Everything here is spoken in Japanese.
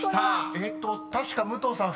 ［えーっと確か武藤さん